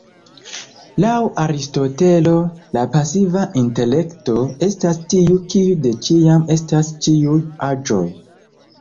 Laŭ Aristotelo, la pasiva intelekto "estas tiu kiu de ĉiam estas ĉiuj aĵoj".